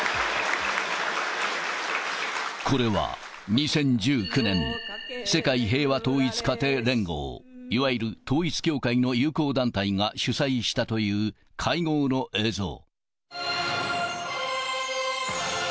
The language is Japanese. これは２０１９年、世界平和統一家庭連合、いわゆる統一教会の友好団体が主催したという会合の映像。